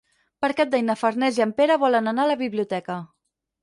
Per Cap d'Any na Farners i en Pere volen anar a la biblioteca.